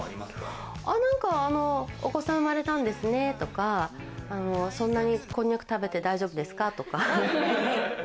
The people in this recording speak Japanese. お子さん生まれたんですねとか、そんなに、こんにゃく食べて大丈夫ですかとか。